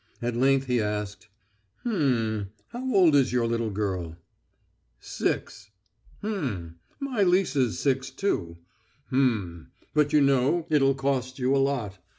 At length he asked: "H'm.... And how old is your little girl?" "Six." "H'm.... My Lisa's six, too. H'm. But you know, it'll cost you a lot.